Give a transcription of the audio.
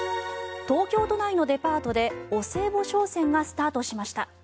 東京都内のデパートでお歳暮商戦がスタートしました。